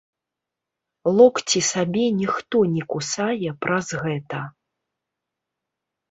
Локці сабе ніхто не кусае праз гэта.